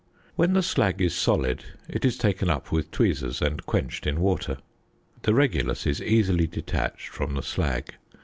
When the slag is solid, it is taken up with tweezers and quenched in water. The regulus is easily detached from the slag.